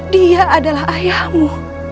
dia adalah ayahmu